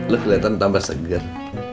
lo kelihatan tambah segar